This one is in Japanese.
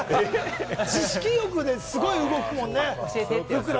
知識欲ですごい動くもんね。